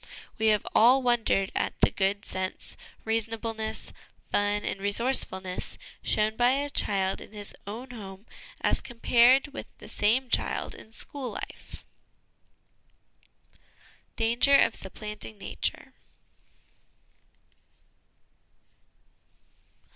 We have all wondered at the good sense, reasonableness, fun and resourcefulness shown by a child in his own home as compared with the same child in school life. Danger of supplanting Nature.